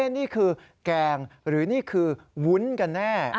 นี่คือแกงหรือนี่คือวุ้นกันแน่